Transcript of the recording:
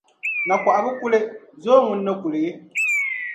Nakɔha bi kuli, zoo ŋun ni kuli?